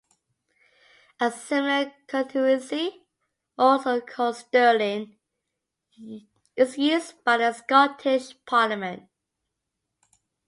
A similar constituency, also called Stirling, is used by the Scottish Parliament.